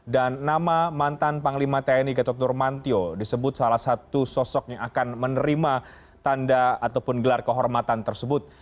dan nama mantan panglima tni gatot nurmantio disebut salah satu sosok yang akan menerima tanda ataupun gelar kehormatan tersebut